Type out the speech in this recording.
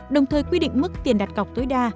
đồng thời quy định mức tiền đặt cọc tối đa